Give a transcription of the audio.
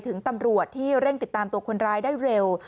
ถึงตำรวจที่เร่งติดตามตัวคนร้ายได้เร็ว